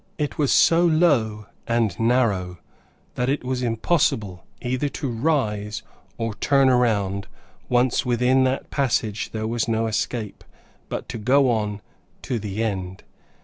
It was so low, and narrow, that it was impossible either to rise, or turn around; once within that passage there was no escape, but to go on to the end.